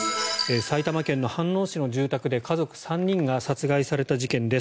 埼玉県飯能市の住宅で家族３人が殺害された事件です。